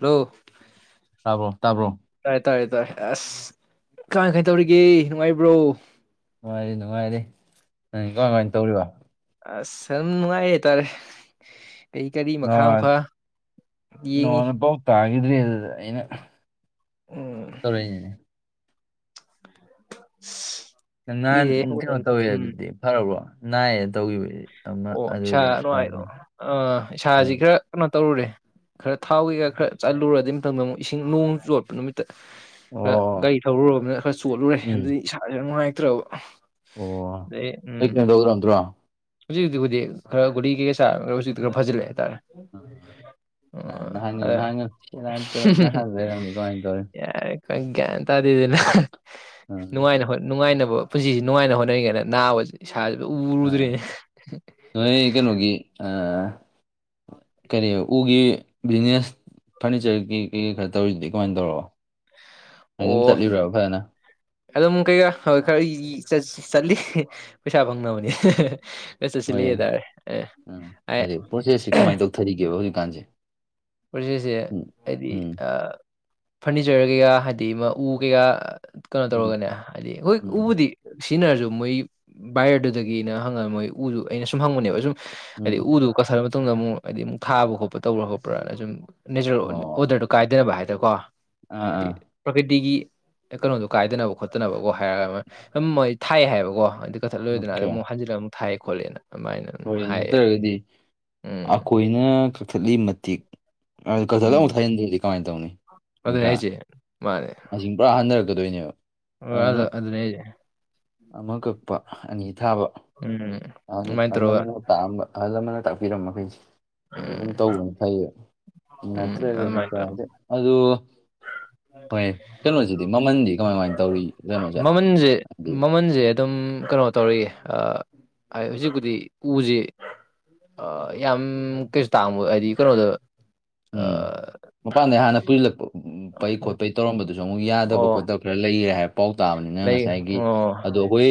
Hello ꯇꯥꯕ꯭ꯔꯣ ꯇꯥꯕ꯭ꯔꯣ ꯇꯥꯔꯦ ꯇꯥꯔꯦ ꯇꯥꯔꯦ ꯑꯁ ꯀꯃꯥꯏ ꯀꯩꯇꯧꯔꯤꯒꯦ ꯅꯨꯡꯉꯥꯏꯕ꯭ꯔꯣ ꯅꯨꯡꯉꯥꯏꯔꯤ ꯅꯨꯡꯉꯥꯏꯔꯤ ꯅꯪ ꯀꯃꯥꯏ ꯀꯃꯥꯏꯅ ꯇꯧꯔꯤꯕ ꯑꯁ ꯌꯥꯝ ꯅꯨꯡꯉꯥꯏꯌꯦ ꯇꯥꯔꯦ ꯀꯔꯤ ꯀꯔꯤ ꯃꯈꯥ ꯅꯍꯥꯟ ꯃꯈꯥ ꯌꯦꯡꯉꯤ ꯅꯉꯣꯟꯗ ꯄꯥꯎ ꯇꯥꯈꯤꯗ꯭ꯔꯦ ꯑꯗꯨꯗ ꯑꯩꯅ ꯎꯝ ꯇꯧꯔꯛꯏꯅꯤꯅꯦ ꯎꯝ [unintelligible] ꯅꯪ ꯅꯍꯥꯟ ꯀꯨꯏꯔꯦ ꯀꯩꯅꯣ ꯇꯧꯋꯦ ꯍꯥꯏꯕꯗꯤ ꯐꯔꯕ꯭ꯔꯣ ꯅꯥꯏꯌꯦꯅ ꯇꯧꯈꯤꯕꯗꯤ ꯑꯃ ꯑꯣ ꯏꯁꯥ ꯑꯗꯨꯗꯤ ꯅꯨꯡꯉꯥꯏꯗ ꯇꯥꯏꯅꯦ ꯑꯥ ꯏꯁꯥꯁꯤ ꯑꯥ ꯈꯔ ꯀꯣ ꯇꯧꯔꯨꯔꯦ ꯈꯔ ꯊꯥꯎ ꯀꯩꯀꯥ ꯈꯔ ꯆꯠꯂꯨꯔ ꯑꯗꯨꯏ ꯃꯇꯝꯗ ꯑꯃꯨꯛ ꯏꯁꯤꯡ ꯅꯣꯡ ꯆꯣꯠꯄ ꯅꯨꯃꯤꯠꯇ ꯈꯔ ꯑꯣ ꯒꯥꯔꯤ ꯊꯧꯔꯨꯔꯕꯅ ꯈꯔ ꯆꯣꯠꯂꯨꯔꯦ ꯎꯝ ꯑꯗꯨꯗꯤ ꯏꯁꯥꯥꯁꯦ ꯌꯥꯝ ꯅꯨꯡꯉꯥꯏꯇ꯭ꯔꯕ ꯑꯣ ꯑꯩ ꯀꯅ ꯇꯒ꯭ꯔꯗꯣ [inaudible] ꯍꯧꯖꯤꯛꯖꯤꯛꯖꯤꯛ ꯈꯔ ꯒꯨꯔꯤꯩꯥꯔ ꯍꯧꯖꯤꯛꯇꯤ ꯈꯔ ꯐꯖꯤꯜꯂꯦ ꯍꯥꯏꯇꯥꯔꯦ ꯑ ꯅ ꯑꯣ ꯅꯔꯃꯤ ꯑꯗ ꯀꯣꯉꯥꯏ ꯇꯧꯦ [inaudible] ꯌꯥꯔꯦ ꯒ꯭ꯌꯥꯟ ꯇꯥꯗꯦꯗꯅ ꯑꯥ ꯅꯨꯡꯉꯥꯏ ꯅꯨꯡꯉꯥꯏꯅꯕ ꯄꯨꯟꯁꯤꯁꯤ ꯅꯨꯡꯉꯥꯏꯅ ꯍꯣꯠꯅꯔꯤꯉꯥꯏꯅ ꯅꯥꯕꯁꯤ ꯏꯁꯥꯁꯤꯕꯨ ꯎꯔꯨꯗ꯭ꯔꯤꯅꯤ ꯅ ꯀꯩꯅꯣꯒ [inaudible] ꯀꯔꯤ ꯎꯒꯤ ꯕꯤꯖꯤꯅꯦꯁ ꯐꯔꯅꯤꯆꯔꯒꯤ ꯀꯦ ꯈꯔ ꯇꯧꯔꯤꯁꯤꯗꯤ ꯀꯃꯥꯏꯅ ꯇꯧꯔꯛꯑꯣ ꯍꯥꯏ ꯑꯗꯨꯝ ꯑꯣ ꯆꯠꯂꯤꯕꯕ ꯐꯖꯅ ꯑꯗꯨꯝ ꯀꯩꯀꯥ ꯍ ꯈꯔ ꯆꯠꯂꯤ ꯄꯩꯁꯥ ꯐꯪꯅꯕꯅꯤ ꯦꯁ ꯆ ꯁꯤ ꯍꯣꯏ ꯇꯔ ꯑꯦ [inaudible] ꯊꯔꯤꯒꯦꯕ ꯍꯧꯖꯤꯛꯀꯥꯟꯁꯦ ꯄꯨꯟꯁꯤꯁꯦ ꯎꯝ ꯍꯥꯏꯗꯤ ꯎꯝ ꯐꯔꯅꯤꯆꯔ ꯀꯩꯀꯥ ꯍꯥꯏꯗꯤ ꯎ ꯀꯩꯀꯥ ꯀꯩꯅꯣ ꯎꯝ ꯇꯧꯔꯒꯅꯦ ꯍꯥꯏꯗꯤ ꯎꯝ ꯎꯕꯨꯗꯤ ꯁꯤꯖꯤꯟꯅꯔꯁꯨ ꯃꯣꯏ ꯕꯥꯥꯏꯌꯔꯗꯨꯗꯒꯤꯅ ꯍꯪꯉꯒ ꯃꯣꯏ ꯎꯗꯨ ꯑꯩꯅ ꯁꯨꯝ ꯍꯪꯕꯅꯦꯕ ꯁꯨꯝ ꯍꯥꯏꯗꯤ ꯎꯝ ꯎꯗꯨ ꯀꯠꯊꯜꯂ ꯃꯇꯨꯡꯗ ꯑꯃꯨꯛ ꯍꯥꯏꯗꯤ ꯑꯃꯨꯛ ꯊꯥꯕ ꯈꯣꯠꯄ ꯇꯧꯕ꯭ꯔꯥ ꯈꯣꯠꯄ꯭ꯔꯥ ꯁꯨꯝ ꯅꯦꯆꯔꯦꯜ ꯑꯣ ꯑꯣꯗꯔꯗꫭ ꯀꯥꯏꯗꯔ‌ꯦꯕ ꯍꯥꯏꯗꯀꯣ ꯑꯥ ꯍꯥꯏꯗꯤ ꯑꯥ ꯄ꯭ꯔꯀꯤꯇꯤꯒꯤ ꯀꯩꯅꯣꯗꯣ ꯀꯥꯏꯗꯅꯕ ꯈꯣꯠꯇꯅꯕꯀꯣ ꯍꯥꯏꯔꯒ ꯁ ꯃꯣꯏ ꯊꯥꯏ ꯍꯥꯏꯕꯀꯣ ꯑꯗꯨ ꯀꯠꯊꯠꯂꯨꯏꯗꯅ ꯑꯗꯨ ꯑꯣꯀꯦ ꯑꯃꯨꯛ ꯍꯟꯖꯤꯂ ꯑꯃꯨꯛ ꯊꯥꯏꯌꯦ ꯈꯣꯠꯂꯦ ꯑꯗꯨꯃꯥꯏꯅ ꯑꯗꯨꯝ ꯍꯣꯏ ꯍꯥꯏꯌꯦ ꯅꯠꯇ꯭ꯔꯒꯗꯤ ꯎꯝ ꯑꯩꯈꯣꯏꯅ ꯀꯛꯊꯠꯂꯤ ꯃꯇꯤꯛ ꯑ ꯀꯗꯨ ꯊꯥꯏꯗ ꯀꯥꯏꯅ ꯇꯧꯅꯤ [inaudible] ꯑꯗꯨ ꯑꯗꯨꯅꯦ ꯅꯠꯇ꯭ꯔꯥ ꯃꯥꯅꯦ ꯃꯁꯤꯡ ꯄꯨꯔꯥ ꯍꯟꯊꯔꯛꯀꯗꯣꯏꯅꯦꯕ ꯑꯗꯨꯅ ꯑꯣꯗ ꯑꯗꯨ ꯅꯦ ꯍꯥꯏꯖꯦ ꯑꯃ ꯀꯛꯄ ꯑꯅꯤ ꯊꯥꯕ ꯎꯝ ꯑꯍ ꯑꯗꯨꯃꯥꯏꯅ ꯑꯍꯜ ꯇꯧꯔꯒ ꯂꯃꯟꯅ ꯇꯥꯛꯑꯝꯕ ꯑꯍꯜ ꯂꯃꯟꯅ ꯇꯥꯛꯄꯤꯔꯝꯕꯃ ꯃꯈꯩꯁꯦ ꯑꯗꯨ ꯎꯝ ꯁꯨꯝ ꯇꯧꯕꯅ ꯐꯩꯌꯦꯕ ꯎꯝ ꯅꯠꯇ꯭ꯔꯒꯗꯤ ꯑꯗꯨꯃꯥꯏꯅ ꯀ ꯇꯧꯔ ꯍꯥꯏꯗ ꯑꯗꯨ ꯍꯣꯏ ꯀꯩꯅꯣꯁꯤꯗꯤ ꯃꯃꯟꯗꯤ ꯀꯃꯥꯏꯃꯥꯏꯅ ꯇꯧꯔꯤ ꯀꯩꯅꯣꯁꯦ ꯃꯃꯜꯁꯦ ꯍꯥꯏꯗꯤ ꯃꯃꯜꯁꯦ ꯑꯗꯨꯝ ꯀꯩꯅꯣ ꯇꯧꯔꯤꯌꯦ ꯍꯧꯖꯤꯛꯄꯨꯗꯤ ꯎꯁꯤ ꯑ ꯌꯥꯝ ꯀꯩꯁꯨ ꯇꯥꯡꯕ ꯍꯥꯏꯗꯤ ꯀꯩꯅꯣꯗ ꯎꯝ ꯃꯄꯥꯟꯗꯩ ꯍꯥꯟꯅ ꯄꯨꯁꯤꯜꯂꯛꯄꯄꯩ ꯈꯣꯠꯄꯩ ꯇꯧꯔꯝꯕꯗꯨꯁꯨ ꯑꯃꯨꯛ ꯌꯥꯗꯕ ꯑꯣ ꯈꯣꯠꯇꯕ ꯈꯔ ꯂꯩꯈꯔꯦ ꯍꯥꯏꯕ ꯄꯥꯎ ꯇꯥꯕꯅꯤꯅ ꯂꯩ ꯉꯁꯥꯏꯒꯤ ꯑꯣ ꯑꯗꯣ ꯑꯩꯈꯣꯏ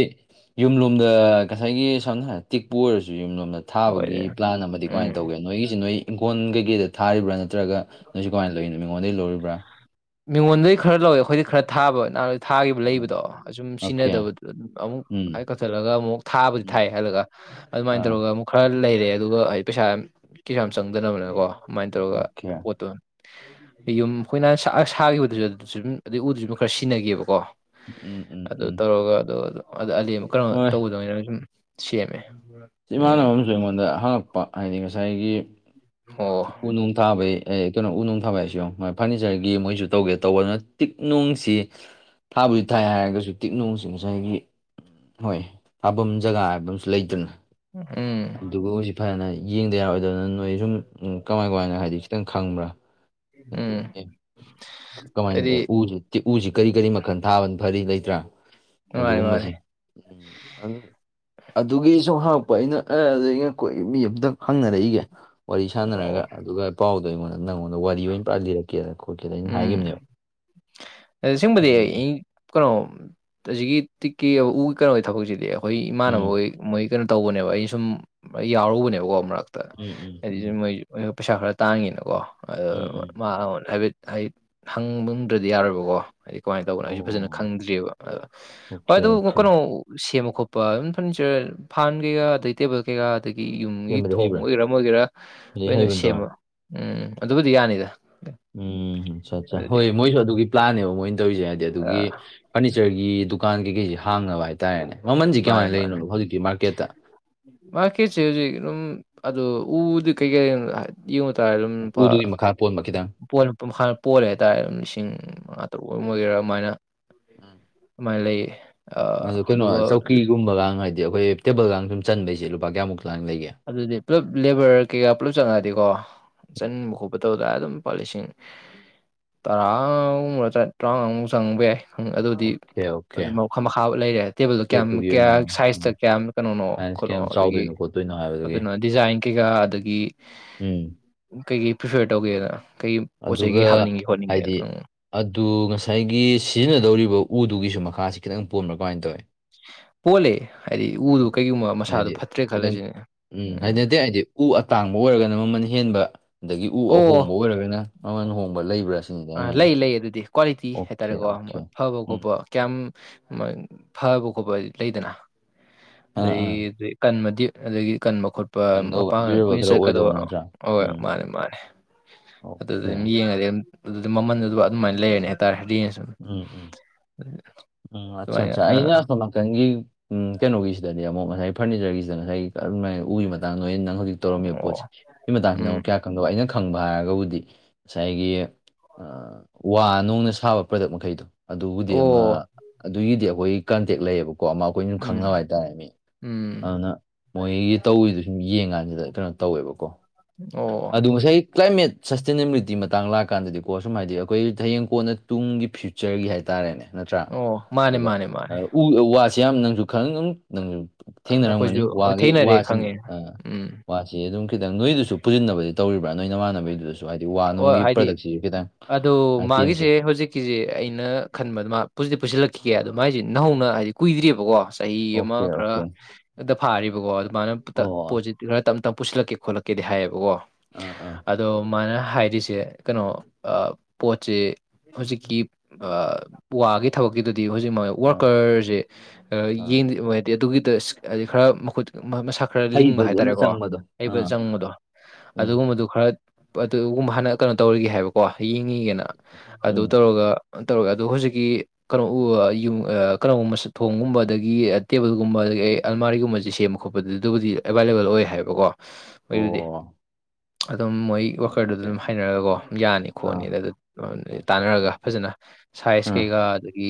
ꯌꯨꯝꯂꯣꯝꯗ ꯉꯁꯥꯏꯒꯤ ꯁꯝꯅ ꯍꯥꯏꯔꯕ ꯇꯤꯛꯄꯨ ꯑꯣꯏꯔꯁꯨ ꯌꯨꯝꯂꯣꯝꯗ ꯍꯣꯏ ꯊꯥꯕꯒꯤ ꯄ꯭ꯂꯥꯟ ꯑꯃꯗꯤ ꯎꯝ ꯀꯃꯥꯏꯅ ꯇꯧꯒꯦ ꯅꯣꯏꯒꯤꯁꯤ ꯅꯣꯏ ꯏꯪꯈꯣꯜ ꯀꯩꯀꯩꯗ ꯊꯥꯔꯤꯕ꯭ꯔꯥ ꯅꯠꯇ꯭ꯔꯒ ꯅꯣꯏꯁꯨ ꯀꯃꯥꯏꯅ ꯂꯩꯔꯤꯅꯣ ꯃꯤꯉꯣꯟꯗꯒꯤꯩ ꯂꯧꯔꯤꯕ꯭ꯔꯥ ꯃꯤꯉꯣꯟꯗꯩ ꯈꯔ ꯂꯧꯋꯦ ꯑꯩꯈꯣꯏꯗꯤ ꯈꯔ ꯊꯥꯕ ꯅꯍꯥꯟ ꯊꯥꯈꯤꯕ ꯑꯥ ꯂꯩꯕꯗꯣ ꯑꯁꯨꯝ ꯑꯣꯀꯦ ꯁꯤꯖꯤꯟꯅꯗꯕꯗ ꯑꯗꯨꯝ ꯑꯃꯨꯛ ꯎꯝ ꯀꯛꯊꯠꯂꯒ ꯑꯃꯨꯛ ꯊꯥꯕꯗꯤ ꯎꯝ ꯊꯥꯏ ꯍꯜꯂꯒ ꯑꯗꯨꯃꯥꯏꯅ ꯑꯥ ꯇꯧꯔꯒ ꯑꯃꯨꯛ ꯈꯔ ꯂꯩꯔꯦ ꯑꯗꯨꯒ ꯍꯥꯏꯗꯤ ꯄꯩꯁꯥ ꯌꯥꯝ ꯀꯩꯁꯨ ꯌꯥꯝ ꯆꯪꯗꯅꯕꯅꯀꯣ ꯑꯗꯨꯃꯥꯏꯅ ꯇꯧꯔꯒ ꯑꯣꯀꯦ ꯄꯣꯠꯇꯣ ꯌꯨꯝ ꯑꯩꯈꯣꯏꯅ ꯁꯥꯈꯤꯕꯗꯨꯁꯨ ꯑꯗꯨꯁꯨ ꯑꯗꯨꯝ ꯑꯗꯨꯗꯩ ꯎꯗꯨꯁꯨ ꯑꯗꯨꯝ ꯈꯔ ꯁꯤꯖꯤꯟꯅꯈꯤꯕꯀꯣ ꯎꯝ ꯎꯝ ꯑꯗꯨ ꯎꯝ ꯇꯧꯔꯒ ꯑꯗꯨ ꯑꯗꯨ ꯑꯂꯤ ꯑꯃꯨꯛ ꯀꯩꯅꯣ ꯍꯣꯏ ꯇꯧꯒꯗꯧꯅꯤꯅꯪ ꯁꯨꯝ ꯁꯤꯦ ꯃ ꯆꯞꯃꯥꯟꯅꯕ ꯑꯃꯁꯨ ꯑꯩꯉꯣꯟꯗ ꯍꯪꯉꯛꯄ ꯍꯥꯏꯗꯤ ꯉꯥꯏ ꯉꯁꯥꯏꯒꯤ ꯑꯣ ꯎ ꯅꯨꯡ ꯊꯥꯕꯩ ꯀꯩꯅꯣ ꯎ ꯅꯨꯡ ꯊꯥꯕ ꯍꯥꯏꯁꯨ ꯐꯔꯅꯤꯆꯔꯒꯤ ꯃꯣꯏꯁꯨ ꯇꯧꯒꯦ ꯇꯧꯕ ꯑꯗꯨꯅ ꯇꯤꯛꯅꯨꯡꯁꯤ ꯊꯥꯕꯁꯤ ꯊꯥꯏ ꯍꯥꯏꯔꯒꯁꯨ ꯇꯤꯛꯅꯨꯡꯁꯤ ꯉꯁꯥꯏꯒꯤ ꯍꯣꯏ ꯊꯥꯐꯝ ꯖꯒꯥ ꯍꯥꯏꯕ ꯑꯃꯁꯨ ꯂꯩꯇꯅ ꯎꯝ ꯑꯗꯨꯒ ꯍꯧꯖꯤꯛ ꯐꯖꯅ ꯌꯦꯡꯗ ꯌꯥꯔꯣꯏꯗꯕꯅ ꯅꯣꯏ ꯁꯨꯝ ꯀꯃꯥꯏ ꯀꯃꯥꯏꯅ ꯍꯥꯏꯗꯤ ꯈꯤꯇꯪ ꯈꯪꯕ꯭ꯔꯥ ꯎꯝ ꯑꯩꯗꯤ ꯀꯃꯥꯏꯗ ꯎꯖ ꯇꯤꯎꯁꯤ ꯀꯔꯤ ꯀꯔꯤ ꯃꯈꯜ ꯊꯥꯕꯅ ꯐꯔꯤ ꯂꯩꯇ꯭ꯔꯥ ꯃꯥꯅꯤ ꯑꯗꯨꯒꯨꯝꯕꯁꯦ ꯃꯥꯅꯤ ꯎꯝ ꯑꯗꯨꯒꯤ ꯁꯨꯝ ꯍꯥꯡꯉꯛꯄ ꯑꯩꯅ ꯑꯦ ꯑꯗꯨꯗ ꯑꯩꯅ ꯀꯣꯏ ꯃꯤ ꯑꯇꯪ ꯍꯪꯅꯔꯛꯏꯒꯦ ꯋꯥꯔꯤ ꯁꯥꯟꯅꯔꯒ ꯑꯣ ꯑꯗꯨꯒ ꯄꯥꯎꯗꯣ ꯑꯩꯉꯣꯟꯗ ꯅꯪꯉꯣꯟꯗ ꯋꯥꯔꯤ ꯑꯣꯏꯅ ꯂꯤꯔꯒ‌ꯦ ꯀꯦꯗ ꯈꯣꯠꯀꯦꯗ ꯑꯩꯅ ꯎꯝ ꯍꯥꯏꯒꯤꯅꯦꯕ ꯑꯁꯦꯡꯕꯗꯤ ꯑꯩ ꯀꯩꯅꯣ ꯍꯧꯖꯤꯛꯀꯤ ꯇꯤꯛꯀꯤ ꯎꯒꯤ ꯀꯩꯅꯣ ꯑꯣꯏ ꯊꯕꯛꯁꯤꯗꯤ ꯑꯩꯈꯣꯏ ꯏꯃꯥꯟꯅꯕ ꯎꯝ ꯍꯣꯏ ꯃꯣꯏ ꯀꯩꯅꯣ ꯇꯧꯕꯅꯦꯕ ꯑꯩ ꯁꯨꯝ ꯌꯥꯎꯔꯨꯕꯅꯦꯕꯀꯣ ꯃꯔꯛꯇ ꯎꯝ ꯎꯝ ꯎꯝ ꯍꯥꯏꯗꯤ ꯃꯣꯏ ꯄꯩꯁꯥ ꯈꯔ ꯇꯥꯡꯉꯅꯀꯣ ꯑꯗꯣ ꯎꯝ ꯎꯝ ꯃꯥ ꯍꯥꯏꯐꯦꯠ ꯑꯩ ꯍꯪꯕꯝꯗ꯭ꯔꯗꯤ ꯌꯥꯔꯣꯏꯔꯕꯕꯀꯣ ꯍꯥꯏꯗꯤ ꯀꯃꯥꯏꯅ ꯇꯧꯕꯅꯣ ꯍꯥꯏꯁꯨ ꯐꯖꯅ ꯑꯣ ꯈꯪꯗ꯭ꯔꯤꯑꯕ ꯑꯗ ꯍꯣꯏ ꯑꯣꯀꯦ ꯑꯗꯨꯕꯨ ꯑꯣꯀꯦ ꯀꯩꯅꯣ ꯁꯦꯝꯕ ꯈꯣꯠꯄ ꯑꯗꯨꯝ ꯐꯔꯅꯤꯆꯔ ꯐꯥꯟ ꯀꯩꯀꯥ ꯑꯗꯩ ꯇꯦꯕꯜ ꯀꯩꯀꯥ ꯑꯗꯒꯤ ꯌꯨꯝꯒꯤ ꯁꯦꯝꯕꯗꯤ ꯊꯣꯡ ꯍꯩꯕ꯭ꯔꯥ ꯑꯣꯏꯒꯦꯔꯥ ꯑꯣꯏꯒꯦꯔꯥ ꯂꯥꯏꯔꯤꯛ ꯂꯣꯏꯅ ꯍꯩꯕꯗ꯭ꯔꯣ ꯁꯦꯝꯕ ꯎꯝ ꯑꯗꯨꯕꯨꯗꯤ ꯌꯥꯅꯤꯗ ꯎꯝ ꯑꯠꯆꯥ ꯑꯠꯆꯥꯥ ꯑꯗꯨꯗꯤ ꯍꯣꯏ ꯃꯣꯏꯁꯨ ꯑꯗꯨꯒꯤ ꯄ꯭ꯂꯥꯟꯅꯦꯕ ꯃꯣꯏꯅ ꯇꯧꯔꯤꯁꯦ ꯍꯥꯏꯗꯤ ꯑ ꯑꯗꯨꯒꯤ ꯐꯔꯅꯤꯆꯔꯒꯤ ꯗꯨꯀꯥꯟ ꯀꯩꯀꯩꯁꯤ ꯍꯥꯡꯅꯕ ꯍꯥꯏꯇꯥꯔꯦꯅꯦ ꯃꯃꯜꯁꯤꯦ ꯃꯥꯅꯦ ꯀꯃꯥꯏꯅ ꯃꯥꯅꯦ ꯂꯩꯔꯤꯅꯣꯅꯣ ꯍꯧꯖꯤꯛꯤ ꯃꯥꯔꯀꯦꯠꯇ ꯃꯥꯔꯀꯦꯠꯁꯦ ꯍꯧꯖꯤꯛ ꯑꯗꯨꯝ ꯑꯗꯨ ꯎꯗꯤ ꯀꯩꯀꯩ ꯏꯨ ꯇꯥꯔꯔꯝ ꯄ ꯎꯗꯨꯒꯤ ꯃꯈꯥ ꯄꯣꯟꯕ ꯈꯤꯇꯪ ꯑꯗꯨ ꯍꯥꯟꯅ ꯄꯣꯜꯂꯦ ꯍꯥꯏꯇꯥꯔꯦ ꯑꯗꯨꯝ ꯂꯤꯁꯤꯡ ꯃꯉꯥ ꯇꯔꯨꯛ ꯑꯣꯏꯒꯦꯔꯥ ꯑꯗꯨꯃꯥꯏꯅ ꯑꯗꯨꯃꯥꯏꯅ ꯂꯩꯌꯦ ꯑꯗꯣ ꯀꯩꯅꯣ ꯑꯗꯨꯒ ꯆꯧꯀꯤꯒꯨꯝꯕꯒ ꯍꯥꯏꯗꯤ ꯑꯩꯈꯣꯏ ꯇꯦꯕꯜꯒ ꯁꯨꯝ ꯆꯟꯕꯩꯁꯦ ꯂꯨꯄꯥ ꯀꯌꯥꯃꯨꯛ ꯂꯥꯡ ꯂꯩꯒꯦ ꯑꯗꯨꯗꯤ ꯄꯨꯜꯂꯞ ꯂꯦꯕꯔ ꯀꯩꯀꯥ ꯄꯨꯜꯂꯞ ꯆꯪꯉꯛꯗꯤꯀꯣ ꯎꯝ. ꯆꯟꯕ ꯈꯣꯠꯄ ꯇꯧꯗꯔ ꯑꯗꯨꯝ ꯂꯨꯄꯥ ꯂꯤꯁꯤꯡ ꯇꯔꯥꯒꯨꯝ ꯇꯔꯥꯉꯥꯃꯨꯛ ꯆꯪꯕ ꯌꯥꯏ ꯑꯗꯨꯗꯤ ꯑꯣꯀꯦ ꯑꯣꯀꯦ ꯑꯗꯨ ꯃꯈꯥ ꯃꯈꯥꯕ ꯂꯩꯔꯦ ꯇꯦꯕꯜꯗꯣ ꯀꯌꯥꯝ ꯄꯦꯠꯇꯨꯒꯤ ꯀꯌꯥ ꯑꯣꯏꯅ ꯁꯥꯏꯖꯇ ꯀꯌꯥꯝ ꯀꯩꯅꯣꯅꯣ ꯀꯩꯅꯣ ꯆꯥꯎꯣꯏꯣꯠꯇꯣꯏꯣ ꯍꯥꯏꯕ ꯀꯩꯅꯣ ꯗꯤꯖꯥꯏꯟ ꯀꯩꯀꯥ ꯑꯗꯒꯤ ꯎꯝ ꯀꯩꯀꯩ ꯄ꯭ꯔꯤꯐꯌꯔ ꯇꯧꯒꯦꯗꯅ ꯀꯩ ꯄꯣꯠ ꯆꯩꯒꯤ ꯑꯗꯨꯒ ꯍꯥꯞꯅꯤꯡꯒꯦ ꯈꯣꯠꯅꯤꯡꯉꯦ ꯍꯥꯏꯗꯤ ꯎꯝ ꯑꯗꯨ ꯉꯁꯥꯏꯒꯤ ꯁꯤꯖꯤꯟꯅꯗꯧꯔꯤꯕ ꯎꯗꯨꯒꯤꯁꯨ ꯃꯈꯥꯁꯤ ꯈꯤꯇꯪ ꯄꯣꯝꯕꯕ꯭ꯔꯥ ꯀꯃꯥꯏꯅ ꯇꯧꯏ ꯄꯣꯂꯦ ꯍꯥꯏꯗꯤ ꯎꯗꯨ ꯀꯩꯒꯨꯝꯕ ꯃꯁꯥꯗꯨꯣ ꯐꯠꯇ꯭ꯔꯦ ꯈꯜꯂꯁꯤꯅꯦ ꯎꯝ ꯑꯩ ꯍꯥꯏꯗꯤ ꯎ ꯑꯇꯥꯡꯕ ꯑꯣꯏꯔꯒꯅ ꯃꯃꯜ ꯍꯦꯟꯕ ꯑꯗꯒꯤ ꯎ ꯑꯍꯣꯡꯕ ꯑꯣꯏꯔꯒꯅ ꯃꯃꯜꯨꯣꯡꯕ ꯂꯩꯕ꯭ꯔꯥ ꯁꯤꯅꯤꯗ ꯑꯩꯅ ꯑꯥ ꯍꯥꯏꯅ ꯂꯩ ꯂꯩ ꯑꯗꯨꯗꯤ ꯀ꯭ꯋꯥꯂꯤꯇꯤ ꯑꯣꯀꯦ ꯍꯥꯏꯇꯥꯔꯦꯀꯣꯣꯏ ꯑꯣꯀꯦ ꯐꯕ ꯎꯝ ꯈꯣꯠꯄ ꯀꯌꯥꯝ ꯐꯕ ꯈꯣꯠꯄ ꯂꯩꯗꯅ ꯑꯥ ꯑꯥ ꯑꯗꯩ ꯀꯟꯕꯗꯤ ꯑꯗꯒꯤ ꯀꯟꯕ ꯈꯣꯠꯄ ꯑꯗꯨꯅꯧꯕ ꯃꯄꯥꯡꯒ ꯗ꯭ꯌꯨꯔꯦꯕꯜ ꯀꯨꯏꯅ ꯈꯔ ꯑꯣꯏꯗꯧꯕ ꯆꯠꯀꯗꯧꯕ ꯅꯠꯇ꯭ꯔꯥ ꯍ ꯎꯝ ꯃꯥꯅꯤ ꯃꯥꯅꯤ ꯑꯗꯨꯗ ꯑꯣꯀꯦ ꯑꯗꯨꯝ ꯌꯦꯡꯉꯗꯤ ꯑꯗꯨꯗꯤ ꯃꯃꯟꯗꯨ ꯑꯗꯨꯃꯥꯏꯅ ꯂꯩꯔꯅꯤ ꯍꯥꯏꯇꯥꯔꯦ ꯔꯦꯟꯁ ꯎꯝ ꯎꯝ ꯎꯝ ꯑꯆꯥ ꯑꯗꯨꯃꯥꯏꯅ ꯑꯆꯥ ꯑꯥ ꯑ ꯁꯃ ꯀꯪꯒꯤ ꯎꯝ ꯀꯩꯅꯣꯒꯤꯁꯤꯗꯗꯤ ꯑꯃꯨꯛ ꯉꯁꯥꯏ ꯐꯔꯅꯤꯆꯔꯒꯤꯁꯤꯗ ꯉꯁꯥꯏꯒꯤ ꯀꯔꯝꯥꯏꯅ ꯎꯒꯤ ꯃꯇꯥꯡꯗ ꯂꯣꯏ ꯅꯪ ꯍꯧꯖꯤꯛ ꯇꯧꯔꯝꯃꯤꯕ ꯑꯣ ꯄꯣꯠꯁꯦ ꯁꯤ ꯃꯇꯥꯡꯁꯤꯗ ꯎꯝ ꯑꯃꯨꯛ ꯀꯌꯥ ꯈꯪꯗꯕ ꯑꯩꯅ ꯈꯪꯕ ꯍꯥꯏꯔꯒꯕꯨꯗꯤ ꯉꯁꯥꯏꯒꯤ ꯍ ꯋꯥ ꯅꯨꯡꯅ ꯁꯥꯕ ꯄ꯭ꯔꯗꯛ ꯃꯈꯩꯗꯣ ꯑꯗꯨꯕꯨꯗꯤ ꯑꯃ ꯑꯣ ꯑꯗꯨꯒꯤꯗꯤ ꯑꯩꯈꯣꯏ ꯀꯟꯇꯦꯛ ꯂꯩꯌꯦꯕꯀꯣ ꯑꯃ ꯑꯩꯈꯣꯏꯅꯝ ꯎꯝ ꯈꯪꯅꯕ ꯍꯥꯏꯇꯥꯔꯦꯅꯦ ꯃꯤ ꯎꯝ ꯑꯗꯨꯅ ꯃꯣꯏꯒꯤ ꯇꯧꯔꯤꯗꯨ ꯌꯦꯡ ꯀꯥꯟꯗ ꯀꯩꯅꯣ ꯇꯧꯋꯦꯕꯀꯣ ꯑꯣ ꯑꯗꯨ ꯉꯁꯥꯏ ꯀ꯭ꯂꯥꯏꯃꯦꯠ ꯁꯁꯇꯦꯅꯦꯕꯤꯂꯤꯇꯤ ꯃꯇꯥꯡ ꯂꯥꯛꯀꯥꯟꯗꯗꯤꯀꯣ ꯁꯨꯝ ꯍꯥꯏꯗꯤ ꯑꯩꯈꯣꯏ ꯍꯌꯦꯡ ꯀꯣꯟꯅ ꯇꯨꯡꯒꯤ ꯐ꯭ꯌꯨ ꯐꯤꯆꯔꯒꯤ ꯍꯥꯏꯇꯥꯔꯦꯅꯦ ꯅꯠꯇ꯭ꯔꯥ ꯑꯣ ꯃꯥꯅꯦ ꯑꯗꯨꯗ ꯃꯥꯅꯦ ꯃꯥꯅꯦ ꯎ ꯋꯥꯁꯦ ꯌꯥꯝ ꯅꯁꯨ ꯈꯪ ꯅꯪꯁꯨ ꯑꯗ ꯊꯦꯡꯅꯔꯝꯒꯅꯤ ꯑꯩꯈꯣꯏꯁꯨ ꯋꯥꯒꯤ ꯊꯦꯡꯅꯔꯦ ꯈꯪꯉꯦ ꯎꯝ ꯋꯥꯁꯤ ꯁꯤ ꯑꯗꯨꯝ ꯈꯤꯇꯪ ꯅꯣꯏꯗꯨꯁꯨ ꯄꯨꯁꯤꯟꯅꯕꯗꯤ ꯇꯧꯔꯤꯕ꯭ꯔꯥ ꯅꯣꯏ ꯅꯃꯥꯟꯅꯕꯒꯤꯗꯨꯗꯁꯨ ꯁꯨ ꯍꯥꯏꯗꯤ ꯋꯥ ꯍꯣꯏ ꯅꯨꯡꯒꯤ ꯍꯥꯏꯗꯤ ꯄ꯭ꯔꯗꯛꯁꯤꯁꯨ ꯈꯤꯇꯪ ꯑꯥꯏꯇꯦꯝꯁꯦ ꯀꯤꯁꯦ ꯑꯩꯅ ꯈꯟꯕꯗ ꯃꯥ ꯄꯨꯗꯤ ꯄꯨꯁꯤꯜꯂꯛꯈꯤꯒꯦ ꯑꯗꯣ ꯃꯥꯏꯁꯦ ꯅꯍꯧꯅ ꯍꯥꯏꯗꯤ ꯀꯨꯏꯗ꯭ꯔꯤꯕꯀꯣ ꯆꯍꯤ ꯑꯣꯀꯦ ꯑꯃ ꯑꯣꯀꯦ ꯈꯔ ꯇ ꯐꯥꯔꯤꯕꯀꯣ ꯑꯗꯨꯃꯥꯏꯅ ꯑꯣ ꯈꯔ ꯇꯞ ꯇꯞ ꯄꯨꯁꯤꯜꯂꯛꯀꯦ ꯈꯣꯠꯂꯛꯀꯦꯗꯤ ꯍꯥꯏꯌꯦꯕꯀꯣ ꯑꯥ ꯑꯥ ꯑꯗꯣ ꯃꯥꯥꯏꯅ ꯍꯥꯏꯔꯤꯁꯦ ꯀꯩꯅꯣ ꯄꯣꯠꯁꯤ ꯍꯧꯖꯤꯛꯀꯤ ꯋꯥꯒꯤ ꯊꯕꯛꯀꯤꯗꯨꯗꯤ ꯍꯧꯖꯤꯛ ꯑꯥ ꯋꯥꯔꯀꯔꯁꯦ ꯑꯥ ꯌꯦꯡ ꯍꯥꯏꯗꯤ ꯑꯗꯨꯒꯤꯗ ꯍꯥꯏ ꯈꯔ ꯃꯈꯨꯠ ꯃꯁꯥ ꯈꯔ ꯂꯤꯡꯕ ꯍꯩꯕꯗꯤ ꯑꯃ ꯍꯥꯏꯇꯥꯔꯦꯀꯣ ꯆꯪꯕꯗꯣ ꯑꯩꯕ ꯑꯥ ꯆꯪꯕꯗꯣ ꯎꯝ ꯑꯗꯨꯒꯨꯝꯕꯗꯨ ꯈꯔ ꯑꯗꯨꯒꯨꯝꯕ ꯍꯥꯟꯅ ꯀꯩꯅꯣ ꯇꯧꯔꯤꯒꯦ ꯍꯥꯏꯕꯀꯣ ꯌꯦꯡꯉꯤꯒꯦꯅ ꯎꯝ ꯑꯗꯨ ꯇꯧꯔꯒ ꯇꯧꯔꯒꯦ ꯑꯗꯣ ꯍꯧꯖꯤꯛꯀꯤ ꯀꯩꯅꯣ ꯎ ꯀꯩꯅꯣꯒꯨꯝꯕ ꯊꯣꯡꯒꯨꯝꯕ ꯑꯗꯒꯤ ꯇꯦꯕꯜꯒꯨꯝꯕ ꯑꯗꯒꯤ ꯑꯩ ꯑꯜꯃꯥꯔꯤꯒꯨꯝꯕꯕꯁꯤꯦ ꯁꯦꯝꯕ ꯈꯣꯠꯄ ꯑꯗꯨꯕꯨꯗꯤ ꯑꯦꯕꯥꯏꯂꯦꯕꯜ ꯑꯣꯏ ꯍꯥꯏꯕꯀꯣ ꯑꯣ ꯃꯣꯏꯗꯨꯗꯤ ꯑꯗꯨꯝ ꯃꯣꯏ ꯀꯔꯗꯨꯗ ꯑꯣꯀꯦ ꯑꯗꯨꯝ ꯍꯥꯏꯅꯔꯒꯀꯣ ꯌꯥꯅꯤ ꯑꯥ ꯈꯣꯠꯅꯤ ꯑꯗ ꯑꯗꯨ ꯑꯆꯥ ꯑꯆꯥ ꯇꯥꯟꯅꯔꯒ ꯑꯥ ꯐꯖꯅ ꯁꯥꯏꯖ ꯀꯩꯀꯥ ꯑꯗꯒꯤ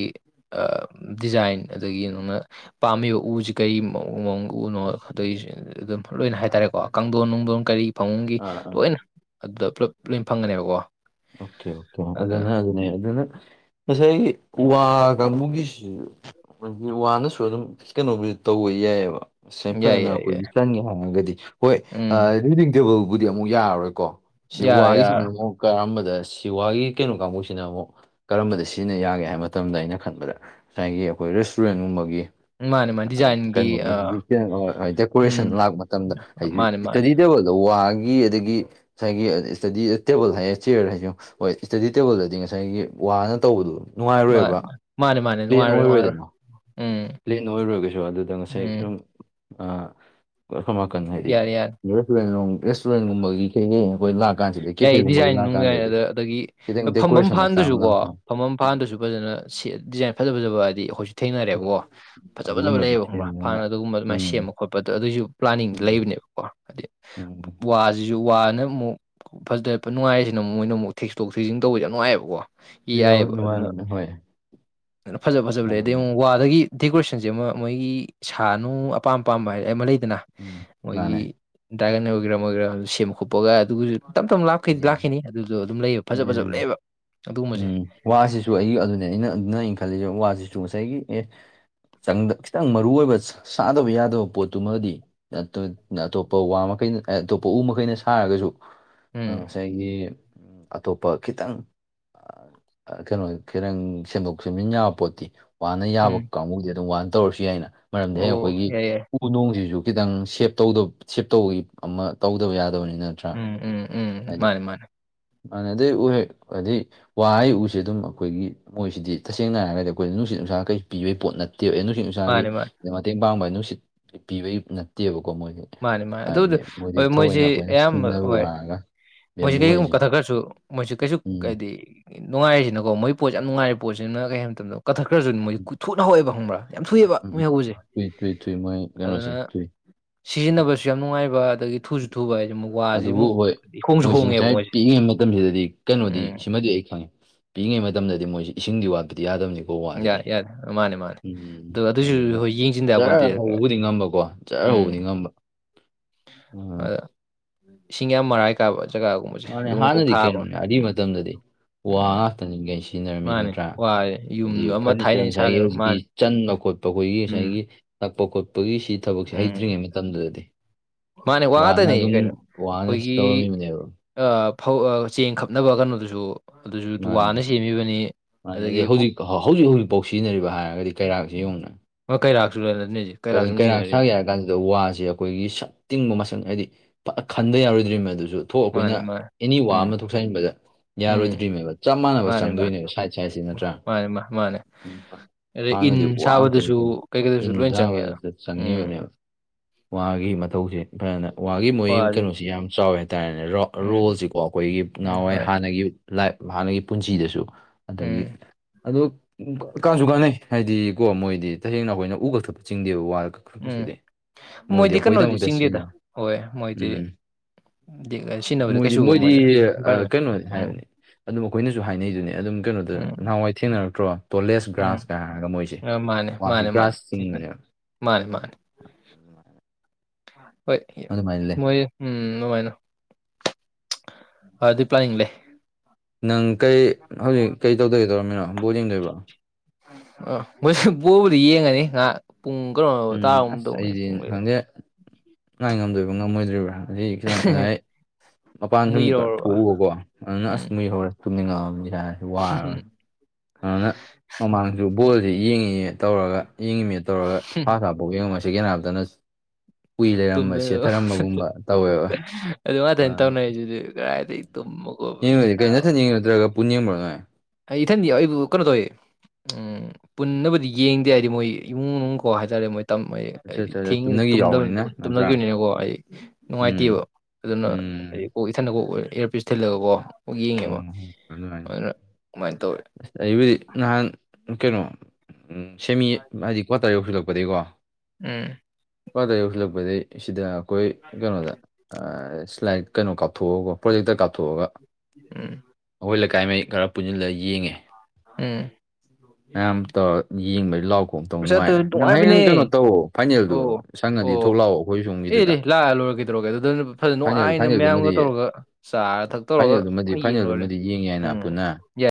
ꯗꯤꯖꯥꯏꯟ ꯑꯗꯒꯤ ꯅꯪꯅ ꯄꯥꯝꯃꯤꯕ ꯎꯁꯤ ꯀꯔꯤ ꯎ ꯎꯅꯣ ꯑꯗꯨꯝ ꯂꯣꯏꯅ ꯍꯥꯏꯇꯥꯔꯦꯀꯣ ꯀꯥꯡꯊꯣꯟ ꯅꯨꯡꯗꯣꯟ ꯀꯔꯤ ꯐꯃꯨꯡꯒꯤ ꯑꯥ ꯑꯥ ꯂꯣꯏꯅ ꯑꯗꯨꯗ ꯄꯨꯂꯞ ꯂꯣꯏ ꯐꯪꯒꯅꯦꯕꯀꯣ ꯑꯣꯀꯦ ꯑꯣꯀꯦ ꯑꯗꯨꯅ ꯑꯗꯨꯅ ꯉꯁꯥꯏꯒꯤ ꯋ ꯀꯥꯡꯕꯨꯒꯤꯁꯤ ꯑꯩꯈꯣꯏꯒꯤ ꯋꯥꯅꯁꯨ ꯑꯗꯨꯝ ꯀꯩꯅꯣꯕꯨ ꯇꯧꯕ ꯌꯥꯏꯑꯕ ꯉ ꯌꯥꯏ ꯐꯖꯅ ꯌꯥꯏ ꯌꯥꯏ ꯑꯩꯈꯣꯏꯗꯤ ꯆꯟꯒꯦ ꯍꯥꯏꯔꯒꯗꯤ ꯍꯣꯏ ꯎꯝ ꯔꯤꯗꯤꯡ ꯇꯦꯕꯜꯕꯨꯗꯤ ꯑꯃꯨꯛ ꯌꯥꯔꯔꯣꯏꯀꯣ ꯌꯥꯔꯦ ꯁꯤꯋꯥꯒꯤꯁꯤꯅ ꯌꯥꯔꯦ ꯑꯃꯨꯛ ꯀꯔꯝꯕꯗ ꯁꯤꯋꯥꯒꯤ ꯀꯩꯅꯣ ꯀꯥꯡꯕꯨꯁꯤꯅ ꯑꯃꯨꯛ ꯀꯔꯝꯕꯗ ꯁꯤꯖꯤꯟꯅ ꯌꯥꯒꯦ ꯍꯥꯏꯕ ꯃꯇꯝꯗ ꯑꯩꯅ ꯈꯟꯕꯗ ꯉꯁꯥꯏꯒꯤ ꯑꯩꯈꯣꯏ ꯔꯦꯁꯇꯨꯔꯦꯟꯒꯨꯝꯕꯒꯤ ꯃꯥꯅꯦ ꯃꯥꯅꯤ ꯌꯥ ꯀꯩꯅꯣꯒꯤ ꯗꯦꯀꯣꯔꯦꯁꯟ ꯎꯝ ꯂꯥꯛꯄ ꯃꯇꯝꯗ ꯍꯥꯏꯗꯤ ꯃꯥꯅꯦ ꯃꯥꯅꯦ ꯏꯁꯇꯗꯤ ꯇꯦꯕꯜꯗ ꯋꯥꯒꯤ ꯑꯗꯒꯤ ꯉꯁꯥꯏꯒꯤ ꯏꯁꯇꯗꯤ ꯇꯦꯕꯜ ꯍꯥꯏ ꯆꯤꯌꯔ ꯍꯥꯏꯁꯨ ꯍꯣꯏ ꯏꯁꯇꯗꯤ ꯇꯦꯕꯜꯗꯗꯤ ꯉꯁꯥꯏꯒꯤ ꯋꯥꯅ ꯇꯧꯕꯗꯨ ꯃꯥꯅꯦ ꯅꯨꯡꯉꯥꯏꯔꯣꯏꯕ ꯃꯥꯅꯦ ꯃꯥꯅꯦ ꯃꯥꯅꯦ ꯄ꯭ꯂꯦꯟ ꯅꯨꯡꯉꯥꯏꯔꯣꯏ ꯅꯨꯡꯉꯥꯏꯔꯣꯏ ꯑꯣꯏꯔꯣꯏꯗꯅ ꯎꯝ ꯄ꯭ꯂꯦꯟ ꯑꯣꯏꯔꯨꯔꯒꯁꯨ ꯑꯗꯨꯗ ꯉꯁꯥꯏ ꯎꯝ ꯁꯨꯝ ꯑ ꯈꯣꯝꯅꯥꯀꯟ ꯍꯥꯏꯗꯤ ꯌꯥꯔꯦ ꯌꯥꯔꯦ ꯔꯦꯁꯇꯨꯔꯦꯟꯒꯨꯝꯕꯒꯤ ꯀꯩꯀꯩ ꯑꯩꯈꯣꯏ ꯂꯥꯛ ꯌꯥꯏꯌꯦ ꯗꯤꯖꯥꯏꯟ ꯅꯨꯡ ꯗꯤꯖꯥꯏꯟ ꯑꯗ ꯑꯗꯒꯤ ꯈꯤꯇꯪ ꯍꯣꯏ ꯐꯝꯐꯝ ꯗꯦꯀꯣꯔꯦꯁꯟ ꯃꯆꯥ ꯐꯥꯟꯗꯨꯁꯨ ꯑꯃ ꯀꯣ ꯂꯥꯛꯀꯥꯟ ꯐꯝꯃꯝ ꯎꯝ ꯐꯥꯟꯗꯁꯨ ꯐꯖꯅ ꯗꯤꯖꯥꯏꯟ ꯐꯖ ꯐꯖꯕ ꯍꯥꯏꯗꯤ ꯑꯩꯈꯣꯏꯁꯨ ꯎꯝ ꯊꯦꯡꯅꯔꯦꯕꯀꯣ ꯐꯖ ꯐꯖꯕ ꯑꯗꯨꯒꯨꯝꯕꯗꯨ ꯂꯩꯌꯦꯕꯒꯨꯝꯕ꯭ꯔ ꯁꯦꯝꯃꯒ ꯐꯥꯅ ꯑꯗꯨꯒꯨꯝꯕ ꯑꯗꯨꯃꯥꯏꯅ ꯎꯝ ꯁꯦꯝꯕ ꯈꯣꯠꯄ ꯑꯗꯨꯗꯣ ꯑꯗꯨꯏꯁꯨ ꯄ꯭ꯂꯥꯅꯤꯡꯗꯨ ꯎꯝ ꯂꯩꯕꯅꯦꯕ ꯀ ꯍꯥꯏꯗꯤ ꯎꯝ ꯋꯥꯁꯤꯁꯨ ꯋꯥꯅ ꯑꯃꯨꯛ ꯐꯖꯔ ꯐ ꯅꯨꯡꯉꯥꯏꯔꯁꯤꯅꯨ ꯃꯣꯏꯅ ꯑꯃꯨꯛ ꯊꯦꯛꯁꯣꯛ ꯊꯦꯛꯖꯤꯟ ꯇꯧꯕꯁ ꯌꯥꯝꯅꯨꯡꯉꯥꯏꯑꯕꯀꯣ ꯌꯥꯝ ꯌꯥꯏꯑꯦꯕ ꯑꯗꯨꯅ ꯅꯨꯡꯉꯥꯏꯕꯅꯦ ꯍꯣꯏ ꯐꯖ ꯐꯖꯕ ꯂꯩꯔꯗꯤ ꯑꯗꯨꯅꯦ ꯑꯃꯨꯛ ꯋꯥꯗꯒꯤ ꯗꯦꯀꯣꯔꯦꯁꯟꯁꯦ ꯑꯃ ꯃꯣꯏꯒꯤ ꯁꯥꯅꯨ ꯑꯄꯥꯝ ꯑꯄꯥꯝꯕ ꯍꯥꯏ ꯑꯃ ꯂꯩꯗꯅ ꯎꯝ ꯃꯥꯅꯦ ꯃꯣꯏꯒꯤ ꯗ꯭ꯔꯥꯒꯟ ꯑꯣꯏꯒꯦꯔꯥ ꯑꯃ ꯑꯣꯏꯒꯦꯔꯥ ꯁꯦꯝ ꯈꯣꯞꯄꯒ ꯑꯗꯨꯁꯨ ꯇꯞ ꯇꯞ ꯂꯄ ꯃꯈꯩꯗꯤ ꯌꯦ ꯂꯥꯛꯈꯤꯅꯤ ꯑꯗꯨꯗꯣ ꯑꯗꯨꯝ ꯂꯩꯕ ꯐꯖ ꯌꯦ ꯐꯖꯕ ꯂꯩꯌꯦꯕ ꯑꯗꯨꯒꯨꯝꯕꯁꯦ ꯎꯝ ꯋꯥꯁꯤꯁꯨ ꯑꯩꯒꯤ ꯑꯗꯨꯅꯦ ꯑꯩꯅ ꯑꯗꯨꯅ ꯑꯩꯅ ꯈꯜꯂꯤꯕ ꯋꯥꯁꯤꯁꯨ ꯉꯁꯥꯏꯒꯤ ꯑꯦ ꯆꯪꯗ ꯈꯤꯇꯪ ꯃꯔꯨ ꯑꯣꯏꯕ ꯆꯗꯕ ꯌꯥꯗꯕ ꯄꯣꯠꯇꯨꯃꯗꯤ ꯑꯇꯣꯞꯄ ꯋꯥ ꯃꯈꯩꯅ ꯑꯇꯣꯞꯄ ꯎ ꯃꯈꯩꯅ ꯁꯥꯔꯒꯁꯨ ꯑꯥ ꯎꯝ ꯉꯁꯥꯏꯒꯤ ꯑꯇꯣꯞꯄ ꯈꯤꯇꯪ ꯀꯩꯅꯣ ꯈꯤꯇꯪ ꯁꯦꯝꯗꯣꯛ ꯁꯦꯝꯖꯤꯟ ꯌꯥꯕꯄꯣꯠꯇꯤ ꯋꯥꯅ ꯌꯥꯕ ꯎꯝ ꯀꯥꯡꯕꯨꯗꯤ ꯑꯗꯨꯝ ꯋꯥꯅ ꯇꯧꯔꯁꯨ ꯌꯥꯏꯅ ꯃꯔꯝꯗꯤ [unintelligible] ꯑꯣ ꯑꯩꯈꯣꯏꯒꯤ ꯌꯥꯏ ꯌꯥꯏ ꯎ [unintelligible] ꯅꯣꯡꯁꯤꯁꯨ ꯈꯤꯇꯪ ꯁꯦꯞ ꯇꯧꯗ ꯁꯦꯞ ꯇꯧꯕꯒꯤ ꯑꯃ ꯇꯧꯗꯕ ꯌꯥꯗꯕꯅꯤ ꯅꯠꯇ꯭ꯔꯥ ꯎꯝ ꯎꯝ ꯎꯝ ꯍꯥꯏꯗꯤ ꯃꯥꯅꯤ ꯃꯥꯅꯤ ꯃꯥꯅ ꯑꯗꯩ ꯎꯍꯦꯛ ꯑꯗꯩ ꯋꯥꯍꯩ ꯎꯁꯦ ꯑꯗꯨꯝ ꯑꯩꯈꯣꯏꯒꯤ ꯃꯣꯏꯁꯤꯗꯤ ꯇꯁꯦꯡꯅ ꯍꯥꯏꯔꯒꯗꯤ ꯑꯩꯈꯣꯏ ꯅꯨꯡꯠꯅꯨꯡꯁꯥ ꯀꯩ ꯄꯤꯕꯩ ꯄꯣꯠ‌ꯅꯠꯇꯦꯕ ꯑꯩ ꯅꯨꯡꯁꯤꯠꯅꯨꯡ ꯅꯨꯡꯁꯥꯒꯤ ꯃꯥꯅꯤ ꯃꯥꯅꯤ ꯃꯇꯦꯡ ꯄꯥꯡꯕ ꯅꯨꯡꯁꯤꯠ ꯄꯤꯕꯒꯤ ꯅꯠꯇꯦꯕꯀꯣ ꯃꯣꯏꯗꯤ ꯃꯥꯅꯤ ꯃꯥꯅꯤ ꯑꯗꯨꯗ ꯍꯥꯏꯕꯗꯤ ꯃꯣꯏꯗꯤ ꯍꯣꯏ ꯃꯣꯏꯁꯤ ꯊꯑꯣꯏꯅ ꯑꯩꯈꯣꯏꯅ ꯑꯌꯥꯝꯕ ꯁꯤꯖꯤꯟꯅꯔꯨ ꯍꯣꯏ ꯍꯥꯏꯔꯒ [unintelligible] ꯃꯣꯏꯁꯤ ꯕꯦꯝꯕꯨ ꯑꯗꯨꯝ ꯍꯥꯏꯁꯦ ꯀꯠꯊꯈ꯭ꯔꯁꯨ ꯃꯣꯏꯁꯤ ꯀꯩꯁꯨ ꯎꯝ ꯀꯥꯏꯗ‌ꯦ ꯅꯨꯡꯉꯥꯏꯔꯤꯁꯤꯅꯀꯣ ꯃꫭꯏ ꯄꯣꯠꯁ ꯌꯥꯝ ꯅꯨꯡꯉꯥꯏꯔꯤ ꯄꯣꯠꯁꯤꯅ ꯀꯩ ꯍꯥꯏ ꯃꯇꯝꯗ ꯀꯊꯠꯈ꯭ꯔꯁꯨ ꯃꯣꯏꯗꯤ ꯈꯨꯊꯨꯅꯍꯋꯦꯕꯈꯪꯕ꯭ꯔꯥ ꯌꯥꯝ ꯊꯨꯏꯑꯕ ꯎꯝ ꯃꯣꯏ ꯍꯧꯕꯁꯦ ꯊꯨꯏ ꯊꯨꯏ ꯊꯨꯏ ꯃꯣꯏ ꯀꯩꯅꯣꯁꯦ ꯑꯗꯨꯅ ꯊꯨꯏ ꯁꯤꯖꯤꯟꯅꯕꯁꯨ ꯌꯥꯝ ꯅꯨꯡꯉꯥꯏꯕ ꯑꯗꯒꯤ ꯊꯨꯁꯨ ꯊꯨꯕ ꯍꯥꯏꯁꯦ ꯑꯃꯨꯛ ꯋꯥꯁꯤ ꯑꯗꯨꯕꯨ ꯑꯃꯨꯛ ꯍꯣꯏ ꯍꯣꯡꯁꯨ ꯃꯣꯏꯁꯤ ꯍꯣꯡꯉꯦꯕ ꯉꯁꯥꯏ ꯃꯣꯏꯁꯦ ꯄꯤꯛꯏꯉꯩ ꯃꯇꯝꯁꯤꯗꯗꯤ ꯀꯩꯅꯣꯗꯤ ꯎꯝ ꯁꯤꯃꯗꯤ ꯑꯩ ꯈꯪꯉꯦ ꯄꯤꯏꯉꯩ ꯃꯇꯝꯗꯗꯤ ꯃꯣꯏꯁꯤ ꯏꯁꯤꯡꯗꯤ ꯋꯥꯠꯄꯗꯤ ꯌꯥꯗꯕꯅꯤ ꯐꯧ ꯋꯥꯁꯤꯗꯤ ꯌꯥꯏ ꯌꯥꯏ ꯃꯥꯅꯦ ꯃꯥꯅꯦ ꯎꯝ ꯎ ꯑꯗꯨ ꯑꯗꯨꯁꯨ ꯑꯗꯨꯒ ꯍꯣꯏ ꯌꯦꯡꯁꯤꯟꯗ [unintelligible] ꯇꯌꯥ ꯌꯥꯄꯣꯟꯇꯦ ꯍꯧꯕꯕꯨꯗꯤ ꯉꯝꯕꯀꯣ ꯖꯔ ꯎꯝ ꯍꯧꯕꯅꯤ ꯉꯝꯕ ꯎꯝ ꯑꯗ ꯏꯁꯤꯡ ꯌꯥꯝ ꯃꯔꯥꯏ ꯀꯥꯕ ꯖꯒꯥꯒꯨꯝꯕꯁꯦ ꯃꯥꯅꯦ ꯑꯗꯨꯒꯨꯝꯕ ꯀꯣꯛ ꯍꯥꯟꯅꯗꯤ ꯊꯥꯕ ꯀꯅꯣꯅꯦ ꯎꯝ ꯃꯇꯝꯗꯗꯤ ꯋꯥ ꯎꯝ ꯉꯥꯛꯇꯅꯤꯀꯩ ꯁꯤꯖꯤꯟꯅꯔꯝꯃꯤꯁꯤ ꯃꯥꯅꯦ ꯅꯠꯇ꯭ꯔꯥ ꯋꯥꯔꯦ ꯍꯥꯏꯗꯤ ꯌꯨꯝꯗꯣ ꯑꯃ ꯐꯔꯅꯤꯆꯔ ꯊꯥꯏꯅꯩ ꯉꯁꯥꯏꯒꯤ ꯁꯥꯒꯤꯅꯣ ꯍꯧꯖꯤꯛꯀꯤ ꯃꯥꯅꯦ ꯆꯟꯕ ꯈꯣꯠꯄ ꯑꯩꯈꯣꯏꯒꯤ ꯎꯝ ꯉꯁꯥꯏꯒꯤ ꯅꯛꯄ ꯈꯣꯠꯄꯒꯤ ꯁꯤ ꯊꯕꯛꯁꯦ ꯎꯝ ꯍꯩꯇ꯭ꯔꯤꯃꯤ ꯇꯝꯗꯔꯗꯤ ꯃꯥꯅꯦ ꯋꯥ ꯉꯥꯛꯇꯅꯦ ꯀꯩꯅꯣ ꯋꯥꯅ ꯁꯤ ꯑꯩꯈꯣꯏꯒꯤ ꯇꯧꯔꯝꯃꯤꯕꯅꯦꯕ ꯐꯧ ꯆꯦꯡ ꯈꯞꯅꯕ ꯀꯩꯅꯣꯗꯨꯁꯨ ꯑꯗꯨꯁꯨ ꯋꯥꯅ ꯁꯦꯝꯃꯤꯕꯅꯤ ꯃꯥꯅꯦ ꯑꯗꯒꯤ ꯑꯗꯨꯗꯩ ꯍꯧꯖꯤꯛ ꯍꯧꯖꯤꯛ ꯍꯧꯖꯤꯛꯐꯥꯎ ꯁꯤꯖꯤꯟꯅꯔꯤꯕ ꯍꯥꯏꯔꯒꯗꯤ ꯀꯩꯔꯥꯛꯁꯤ ꯌꯦꯡꯉꯨꯅ ꯀꯩꯔꯥꯛꯁꯨ ꯂꯩꯅꯗꯣꯏꯁꯦ ꯀꯩꯔꯥꯛ ꯀꯔ ꯁꯨꯝ ꯁꯥꯒꯦ ꯁꯤꯖꯤꯟꯅꯔꯤꯕꯅꯤ [unintelligible] ꯍꯥꯏꯔ ꯀꯥꯟꯁꯤꯗ ꯋꯥꯁꯦ ꯑꯩꯈꯣꯏꯒꯤ ꯁꯛ ꯇꯤꯡꯕ ꯃꯁꯛ ꯍꯥꯏꯗꯤ ꯈꯟꯗ ꯌꯥꯔꯣꯏꯗ꯭ꯔꯤꯃꯦ ꯑꯗꯨꯁꯨ ꯊꯣꯛ ꯑꯩꯈꯣꯏꯅ ꯃꯥꯅꯦ ꯃꯥꯅꯦ ꯑꯦꯅꯤ ꯋꯥ ꯎꯝ ꯑꯃ ꯊꯣꯛꯆꯍꯟꯕꯗ ꯎꯝ ꯌꯥꯔꯣꯏꯗ꯭ꯔꯤꯅꯦꯕ ꯆꯞ ꯃꯥꯟꯅꯕ ꯃꯥꯅꯦ ꯃꯥꯅꯦ ꯆꯪꯗꯣꯏꯅꯦꯕ ꯁꯥꯏꯠ ꯁꯤ ꯅꯠꯇ꯭ꯔꯥ ꯃꯥꯅꯦ ꯃꯥꯅꯦ ꯎꯝ ꯑꯗꯩ ꯏꯟ ꯍꯥꯟꯅꯗꯤ ꯋꯥ ꯉꯛꯇꯅꯤ ꯁꯥꯕꯗꯁꯨ ꯀ‌ꫭꯅꫭ ꯀꯩꯀꯩꯗꯁꯨ ꯂꯣꯏ ꯆꯪꯉꯦꯗ ꯏꯟꯊꯕꯗꯁꯨ ꯎꯝ ꯆꯪꯉꯤꯕꯅꯦꯕ ꯋꯥꯒꯤ ꯃꯊꯧꯁꯤꯦ ꯐꯖꯅ ꯋꯥꯒꯤ ꯃꯣꯏ ꯋꯥꯗꯤ ꯀꯩꯅꯣꯁ‌ꯦ ꯁꯤ ꯌꯥꯝ ꯆꯥꯎꯋꯦ ꯍꯥꯏꯇꯥꯔꯦꯅꯦ ꯎꯝ ꯔꯣꯜꯁꯤꯀꯣ ꯑꯩꯈꯣꯏꯒꯤ ꯄꯨ ꯎꯝ ꯅꯍꯥꯟꯋꯥꯏ ꯍꯣꯏ ꯍꯥꯟꯅꯒꯤ ꯂꯥꯞ ꯍꯥꯟꯅꯒꯤ ꯄꯨꯟꯁꯤꯗꯁꯨ ꯑꯗꯒꯤ ꯎꯝ ꯑꯗꯣ ꯀꯥꯟꯁꯨ ꯀꯥꯟꯅꯩ ꯍꯥꯏꯗꯤ ꯀꯣ ꯃꯣꯏꯗꯤ ꯇꯁꯦꯡꯅ ꯑꯩꯈꯣꯏꯅ ꯎ ꯀꯩꯁꯨ ꯆꯤꯡꯗꯦꯕ ꯋꯥꯔꯒ ꯎꯝ ꯈꯁꯨꯗꯤ ꯃꯣꯏꯗꯤ ꯀꯩꯅꯣꯗꯤ ꯑꯩꯈꯣꯏꯗꯃꯛꯇ ꯆꯤꯡꯗꯦꯗ ꯁꯤꯖꯤꯟꯅꯩ ꯍꯣꯏ ꯃꯣꯏꯗꯤ ꯎꯝ ꯁꯤꯖꯤꯟꯅꯕꯗ ꯃꯣꯏꯗꯤ ꯀꯩꯁꯨ ꯃꯣꯏꯗꯤ ꯃꯣꯏꯗ ꯏꯟꯚꯥꯏꯔꯣꯟꯃꯦꯟ ꯀꯩꯅꯣꯅꯤ ꯎꯝ ꯍꯥꯏꯕꯅꯤ ꯑꯗꯨꯝ ꯑꯩꯈꯣꯏꯅꯁꯨ ꯍꯥꯏꯅꯩꯗꯨꯅꯦ ꯑꯗꯨꯝ ꯀꯩꯅꯣꯗ ꯎꯝ ꯅꯍꯥꯟꯋꯥꯏ ꯊꯦꯡꯅꯔꯛꯇ꯭ꯔꯣ ꯇꯣꯂꯦꯁ ꯎꯝ ꯒ꯭ꯔꯥꯁꯀ ꯍꯥꯏꯔꯒ ꯃꯣꯏꯁꯦ ꯃꯥꯅꯦ ꯃꯥꯅꯦ ꯋꯥꯁꯤ ꯃꯥꯅꯦ ꯒ꯭ꯔꯥꯁ ꯆꯤꯡꯕꯅꯦꯕ ꯃꯥꯅꯦ ꯃꯥꯅꯦ ꯍꯣꯏ ꯑꯗꯨꯃꯥꯏꯅ ꯂꯩ ꯃꯣꯏ ꯎꯝ ꯑꯗꯨꯅꯨꯡꯃꯥꯏꯅꯄ [unintelligible] ꯄ꯭ꯂꯥꯅꯤꯡ ꯂꯩ ꯅꯪ ꯀꯩ ꯍꯧꯖꯤꯛ ꯀꯩ ꯇꯧꯗꯣꯏꯒꯦ ꯇꯧꯔꯃꯤꯅꯣ ꯕꯣꯜ ꯌꯦꯡꯗꯣꯏꯕ꯭ꯔꯣ ꯑ ꯃꯣꯏꯁꯨ ꯀꯣꯕꯨꯗꯤ ꯌꯦꯡꯉꯅꯤ ꯉꯍꯥꯛ ꯄꯨꯡ ꯀꯩꯅ‌ꫭ ꯎꯝ ꯑꯁ ꯑꯩꯗꯤ ꯈꯪꯗꯦ ꯉꯥꯏ ꯉꯝꯗꯣꯏꯕ ꯉꯝꯃꯣꯏꯗ꯭ꯔꯤꯕ꯭ꯔꯥ ꯉꯁꯤꯗꯤ ꯈꯤꯇꯪ ꯉꯁꯥꯏ ꯃꯄꯥꯟ ꯁꯨꯝ ꯈ ꯃꯨꯏꯔꯧꯔꯕ ꯊꯣꯛꯎꯕꯀꯣ ꯑꯗꯨꯅ ꯑꯁ ꯎꯝ ꯃꯤꯍꯧꯔꯦ ꯇꯨꯝꯅꯤꯡꯉꯛꯑꯕꯗꯤ ꯍꯥꯏꯔꯁꯤ ꯋꯥꯔꯔꯣꯏ [unintelligible] ꯑꯗꯨꯅ ꯃꯃꯥꯡꯁꯨ ꯕꯣꯜꯁꯤ ꯌꯦꯡꯉꯤꯅꯦ ꯇꯧꯔꯒ ꯌꯦꯡꯉꯤꯃꯦ ꯇꯧꯔꯒ ꯐꯥꯁ ꯍꯥꯞ ꯄꯥꯎ ꯌꯦꯡꯉꯝꯃ ꯁꯦꯀꯦꯟ ꯍꯥꯞꯇꯅ ꯎꯏ ꯇꯨꯝ ꯂꯩꯔꯝꯕ [unintelligible] ꯁꯦꯠꯊꯔꯝꯕꯒꯨꯝꯕ ꯇꯧꯋꯦꯕ ꯑꯗꯨ ꯉꯛꯇꯅ ꯑꯥ ꯇꯧꯅꯔꯤꯁꯤꯗꯤ ꯀꯔꯥꯏꯗꯩ ꯇꯨꯝꯃꯣꯒꯣ [unintelligible] ꯄꯨꯟꯌꯝꯨꯉꯥꯏ [unintelligible] ꯑꯩ ꯏꯊꯟꯗꯤꯌ ꯑꯩꯕꯨ ꯀꯅꫭ ꯇꯧꯌꯦ ꯎꯝ ꯄꯨꯟꯅꯕꯨꯗꯤ ꯌꯦꯡꯗꯦ ꯍꯥꯏꯗꯤ ꯃꯣꯏ ꯏꯃꯨꯡ ꯃꯅꯨꯡ ꯀꯣ ꯍꯥꯏꯇꯥꯔꯦ ꯃꯣꯏ [unintelligible] ꯑꯩ ꯑꯠꯆꯥ ꯍꯥꯏꯗꯤ ꯑꯠꯆꯥ ꯊꯦꯡꯉꯤ ꯇꯨꯝꯅꯒꯤ ꯇꯨꯝꯗꯕ ꯌꯥꯎꯕꯅꯤꯅ ꯅꯠꯇ꯭ꯔꯥ ꯇꯨꯝꯅꯈꯤꯕꯅꯤꯅꯀꯣ ꯑꯩ ꯎꯝ ꯅꯨꯡꯉꯥꯏꯇꯦꯕ ꯑꯗꯨꯅ ꯎꯝ ꯑꯩ ꯀꯣꯛ ꯏꯊꯟꯗ ꯀꯣꯛ ꯏꯌꯥꯔꯄꯤꯁ ꯊꯤꯜꯂꯒꯀꯣ ꯀꯣꯛ ꯌꯦꯡꯉꯦꯕ ꯑꯣ ꯑꯗꯨꯅ ꯀꯃꯥꯏꯅ ꯇꯧꯋꯦ ꯑꯁ ꯑꯩꯕꯨꯗꯤ ꯅꯍꯥꯟ ꯀꯩꯅꯣ ꯁꯦꯃꯤ ꯍꯥꯏꯗꯤ ꯀ꯭ꯋꯥꯇꯔ ꯌꯧꯁꯤꯜꯂꯛꯄꯗꯒꯤꯀꯣ ꯎꯝ ꯀ꯭ꯋꯥꯇꯔ ꯌꯧꯁꯤꯜꯂꯛꯄꯗꯒꯤ ꯁꯤꯗ ꯑꯩꯈꯣꯏ ꯀꯩꯅꯣꯗ ꯑ ꯁ꯭ꯂꯥꯏꯠ ꯀꯩꯅꯣ ꯀꯥꯞꯊꯣꯛꯑꯒꯀꯣ ꯄ꯭ꯔꯣꯖꯦꯛꯇ ꯀꯥꯞꯊꯣꯛꯑꯒ ꯎꯝ ꯑꯩꯈꯣꯏ ꯂꯩꯀꯥꯏ ꯃꯩ ꯈꯔ ꯄꯨꯟꯁꯤꯜꯂꯒ ꯌꯦꯡꯉꯦ ꯎꯝ ꯃꯌꯥꯝ ꯇꯧꯔ ꯌꯦꯡꯕꯩ ꯂꯥꯎ ꯈꯣꯡ ꯇꯧ ꯑꯁ ꯅꯨꯡꯉꯥꯏ ꯑꯗꯨ ꯅ ꯅꯪ ꯍꯌꯦꯡ ꯅꯨꯡꯉꯥꯏꯕꯅꯦ ꯅꯪ ꯀꯩꯅꯣ ꯇꯧ ꯐꯥꯏꯅꯦꯜꯗꯨ ꯑꯣ ꯁꯪꯉꯗꯤ ꯑꯣ ꯊꯣꯛꯂꯛꯑꯣ ꯑꯩꯈꯣꯏ ꯑꯦꯅꯦ ꯁꯣꯝꯒꯤꯗꯨꯗ ꯂꯥꯛꯑ ꯂꯣꯏꯔꯒ ꯇꯧꯔꯒꯦ ꯑꯗꯨꯅ ꯐꯖꯅ ꯐꯥꯏꯅꯦꯜ ꯅꯨꯡꯉꯥꯏꯅ ꯐꯥꯏꯅꯦꯜꯗꯨꯃꯗꯤ ꯃꯌꯥꯝꯒ ꯇꯧꯔꯒ ꯆꯥꯔ ꯊꯛꯇꯧꯔꯒ ꯐꯥꯏꯅꯦꯜꯗꯨꯃꯗꯤ ꯌꯦꯡꯂ ꯂꯣꯏꯔꯦ ꯐꯥꯏꯅꯦꯜꯗꯨꯃꯗꯤ ꯌꯦꯡ ꯌꯥꯏꯅ ꯎꯝ ꯄꯨꯟꯅ